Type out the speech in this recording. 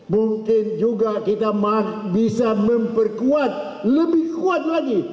mungkin juga kita bisa memperkuat lebih kuat lagi